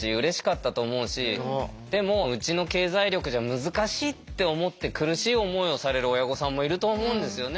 でもうちの経済力じゃ難しいって思って苦しい思いをされる親御さんもいると思うんですよね。